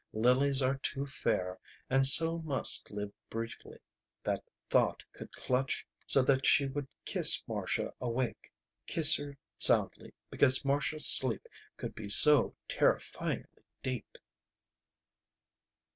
Lilies are too fair and so must live briefly. That thought could clutch so that she would kiss Marcia awake. Kiss her soundly because Marcia's sleep could be so terrifyingly deep.